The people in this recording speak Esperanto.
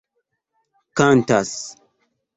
kantas